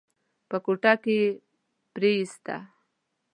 په کوټه کې يې پريېسته.